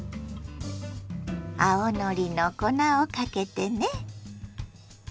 青のりの粉をかけてね。